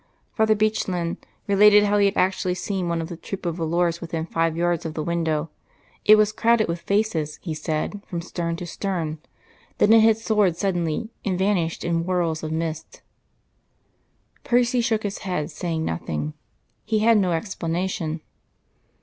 Father Bechlin related how he had actually seen one of the troop of volors within five yards of the window; it was crowded with faces, he said, from stem to stern. Then it had soared suddenly, and vanished in whorls of mist. Percy shook his head, saying nothing. He had no explanation.